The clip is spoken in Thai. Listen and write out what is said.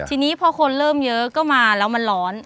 ทีนี้พอคนเริ่มเยอะก็มาแล้วมันร้อน